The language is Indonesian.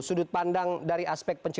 sudut pandang dari aspek